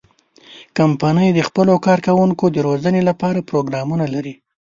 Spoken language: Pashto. کمپنۍ د خپلو کارکوونکو د روزنې لپاره پروګرامونه لري.